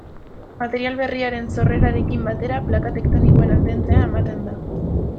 Material berriaren sorrerarekin batera plaka tektonikoen aldentzea ematen da.